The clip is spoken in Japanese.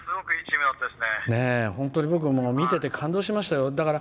僕、本当に見てて感動しましたよ。